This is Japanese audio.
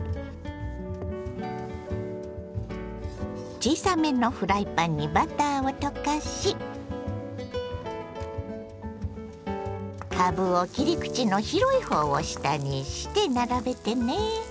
小さめのフライパンにバターを溶かしかぶを切り口の広いほうを下にして並べてね。